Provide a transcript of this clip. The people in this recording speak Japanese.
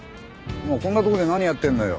こんなとこで何やってんのよ？